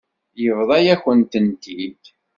Yebḍa-yakent-tent-id.